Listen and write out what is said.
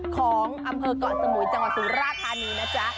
ของอำเภอกเกาะสมุยจังหวัดสุราธานีนะจ๊ะ